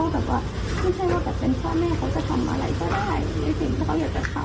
แบบว่าไม่ใช่ว่าแบบเป็นชาติแม่เขาจะทำอะไรก็ได้